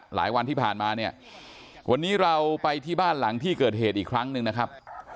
หลายวันที่ผ่านมาเนี่ยวันนี้เราไปที่บ้านหลังที่เกิดเหตุอีกครั้งหนึ่งนะครับ